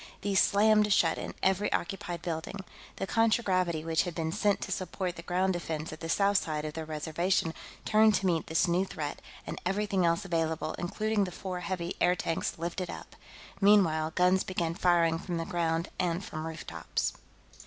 These slammed shut in every occupied building. The contragravity which had been sent to support the ground defense at the south side of the Reservation turned to meet this new threat, and everything else available, including the four heavy airtanks, lifted up. Meanwhile, guns began firing from the ground and from rooftops.